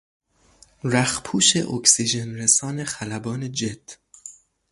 رخپوش اکسیژنرسان خلبان جت